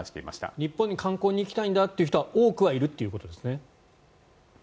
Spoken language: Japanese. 日本に観光に行きたいんだという人は多くはいるということですね。